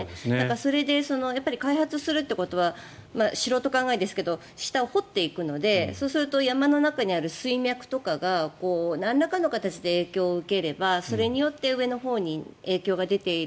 それで開発するということは素人考えですけど下を掘っていくのでそうすると山の中にある水脈とかがなんらかの形で影響を受ければそれによって上のほうに影響が出ている。